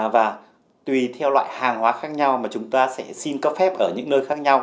và tùy theo loại hàng hóa khác nhau mà chúng ta sẽ xin cấp phép ở những nơi khác nhau